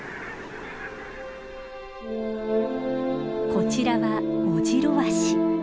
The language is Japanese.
こちらはオジロワシ。